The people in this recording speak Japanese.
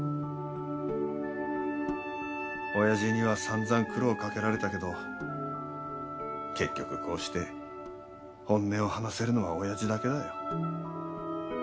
親父には散々苦労かけられたけど結局こうして本音を話せるのは親父だけだよ。